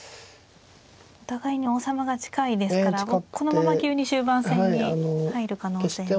お互いに王様が近いですからこのまま急に終盤戦に入る可能性も。